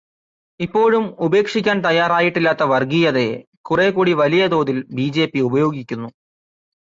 ഇപ്പോഴും ഉപേക്ഷിക്കാന് തയ്യാറായിട്ടില്ലാത്ത വര്ഗീയതയെ കുറേക്കൂടി വലിയ തോതില് ബിജെപി ഉപയോഗിക്കുന്നു.